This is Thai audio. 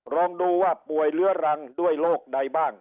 ลองดูว่าป่วยเรื้อรังด้วยโรคใดบ้าง